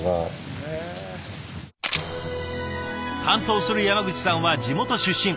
担当する山口さんは地元出身。